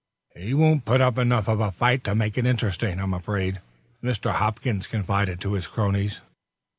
"He won't put up enough of a fight to make it interesting, I'm afraid," Mr. Hopkins confided to his cronies.